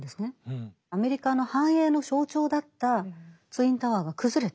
アメリカの繁栄の象徴だったツインタワーが崩れた。